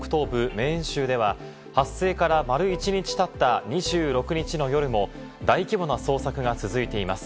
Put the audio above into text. メーン州では、発生から丸一日経った２６日の夜も大規模な捜索が続いています。